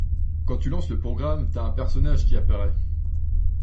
Quand tu lances le programme, t'as un personnage qui apparaît.